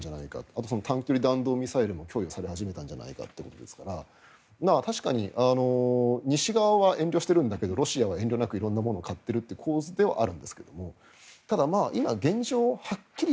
あと、短距離弾道ミサイルも供与され始めたんじゃないかといってますから確かに西側は遠慮してるんだけどロシアは遠慮なく色んなものを買っているという構図ではあるんですがただ、今、現状はっきり